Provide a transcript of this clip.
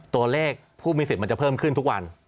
ตัวเลขผู้มีสิทธิ์มันจะเพิ่มขึ้นทุกวัน